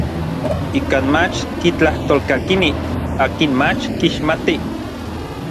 Ikan mach kitlajtolkakinij akin mach kixmatij.